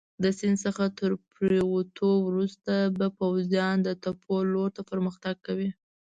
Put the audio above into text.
د سیند څخه تر پورېوتو وروسته به پوځیان د تپو لور ته پرمختګ کوي.